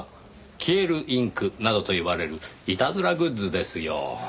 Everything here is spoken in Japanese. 消えるインクなどと呼ばれるいたずらグッズですよ。